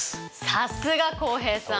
さすが浩平さん。